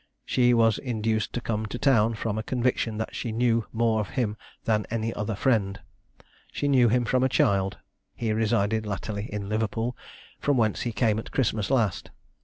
She was induced to come to town, from a conviction that she knew more of him than any other friend. She knew him from a child. He resided latterly at Liverpool, from whence he came at Christmas last.